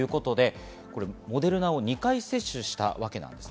モデルナを２回接種したわけです。